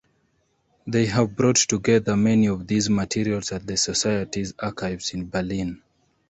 They have brought together many of these materials at the society's archives in Berlin.